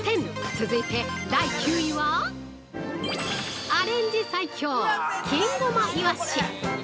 続いて、第９位はアレンジ最強、金ごまいわし。